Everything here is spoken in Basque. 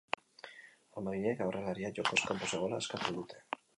Armaginek aurrelaria jokoz kanpo zegoela eskatu dute.